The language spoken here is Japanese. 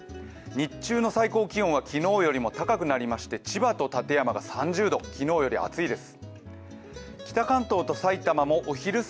日中の最高気温は昨日よりも高くなりまして千葉と館山が３０度、昨日より暑いです。